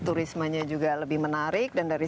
turismenya juga lebih menarik dan dari